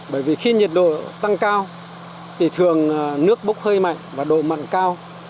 bởi vì khi nhiệt độ tăng cao thì thường nước bốc hơi mạnh và độ mặn cao